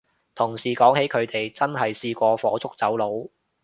同事講起佢哋真係試過火燭走佬